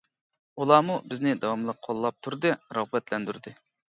ئۇلارمۇ بىزنى داۋاملىق قوللاپ تۇردى، رىغبەتلەندۈردى.